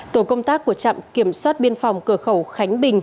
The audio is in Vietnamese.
tổ công tác của trạm kiểm soát biên phòng cửa khẩu khánh bình